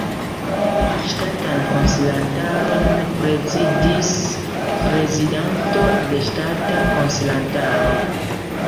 Ŝtatan Konsilantaron prezidis Prezidanto de Ŝtata Konsilantaro.